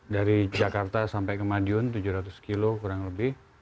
dari jakarta sampai ke madiun tujuh ratus kilo kurang lebih